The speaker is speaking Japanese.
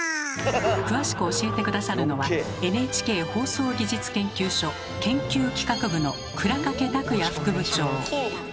詳しく教えて下さるのはＮＨＫ放送技術研究所研究企画部の倉掛卓也副部長。